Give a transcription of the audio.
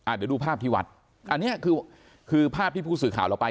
เดี๋ยวดูภาพที่วัดอันนี้คือคือภาพที่ผู้สื่อข่าวเราไป